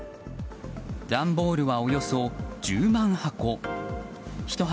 段ボールはおよそ１０万箱。